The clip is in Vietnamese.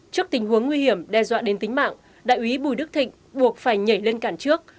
trước tình huống nguy hiểm đe dọa đến tính mạng đại úy bùi đức thịnh buộc phải nhảy lên cản trước